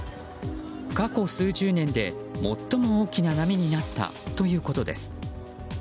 過去数十年で最も大きな波になったということです。